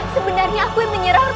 sebenarnya aku yang menyerang